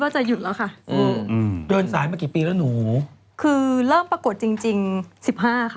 ถามน้องออยมั่งสิ